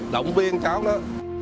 động viên cháu đó